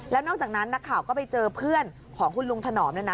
แล้วนอกจากนั้นนักข่าวก็ไปเจอเพื่อนของคุณลุงถนอมเนี่ยนะ